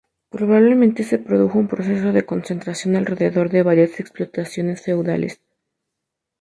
Probablemente se produjo un proceso de concentración alrededor de varias explotaciones feudales.